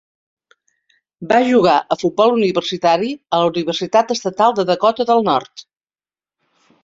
Va jugar a futbol universitari a la Universitat Estatal de Dakota del Nord.